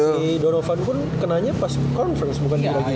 si donovan pun kenanya pas conference bukan di lagi game